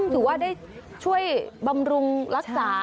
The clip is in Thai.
ถือว่าได้ช่วยบำรุงรักษา